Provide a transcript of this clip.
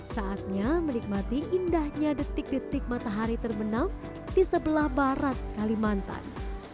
saatnya menikmati indahnya detik detik matahari terbenam di sebelah barat kalimantan